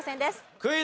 クイズ。